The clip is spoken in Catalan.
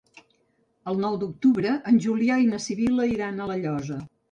El nou d'octubre en Julià i na Sibil·la iran a La Llosa.